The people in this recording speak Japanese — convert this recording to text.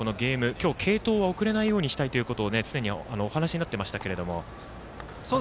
今日は継投は遅れないようにしたいと常にお話になっていましたが。